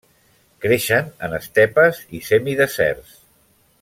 Creixen en estepes i semideserts.